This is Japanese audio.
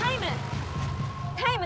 タイム！